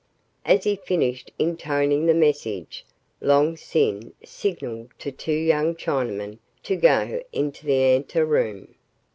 As he finished intoning the message, Long Sin signaled to two young Chinamen to go into the anteroom.